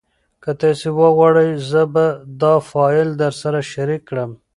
که تاسي وغواړئ زه به دا فایل درسره شریک کړم.